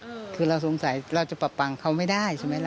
คือเราสงสัยเราจะปรับปังเขาไม่ได้ใช่ไหมล่ะ